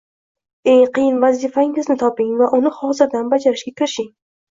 Eng qiyin vazifangizni toping va uni hozirdan bajarishga kirishing